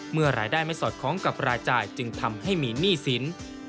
เมื่อรายได้ไม่สอดคล้องกับรายจ่ายจึงทำให้มีหนี้สิน